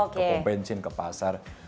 ke kompensin ke pasar